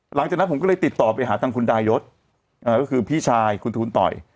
หลังจากนั้นผมก็เลยติดต่อไปหาทางคุณดายศก็คือพี่ชายคุณทูลต่อย